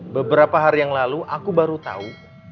beberapa hari yang lalu aku baru tahu